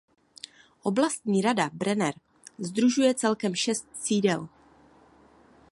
Oblastní rada Brenner sdružuje celkem šest sídel.